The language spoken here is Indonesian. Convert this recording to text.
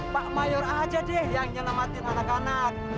pak mayor aja deh yang nyelamatin anak anak